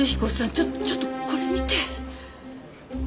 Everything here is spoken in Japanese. ちょっとちょっとこれ見て。